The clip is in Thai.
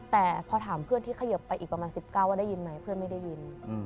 แต่พอถามเพื่อนที่เขยิบไปอีกประมาณ๑๙ว่าได้ยินไหมเพื่อนไม่ได้ยิน